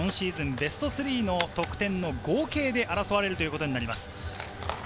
ベスト３の得点の合計で争われるということになります。